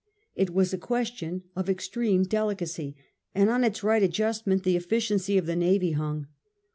It was a question of extreme delicacy, and on its right adjustment the eflSciency of the navy hung.